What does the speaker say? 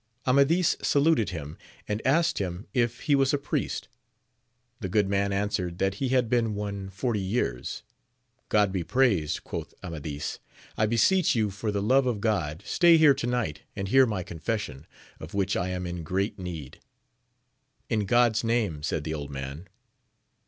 Amadis saluted him, and asked him if he was a priest. The good man answered that he had been one forty years. God be praised ! quoth Amadis : I beseech you for the love of God stay here to night and hear my confession, of which I am in great need. In God's name ! said the old man.